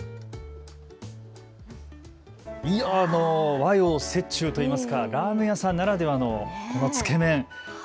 和洋折衷といいますか、ラーメン屋さんならではのつけ麺。